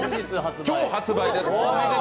今日発売です。